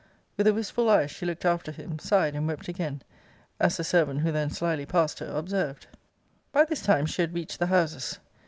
With a wistful eye she looked after him; sighed and wept again; as the servant who then slyly passed her, observed. 'By this time she had reached the houses.